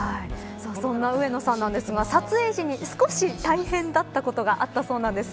そんな上野さんなんですが撮影時に少し大変だったものがあったそうなんです。